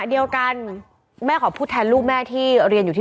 ก็เป็นสถานที่ตั้งมาเพลงกุศลศพให้กับน้องหยอดนะคะ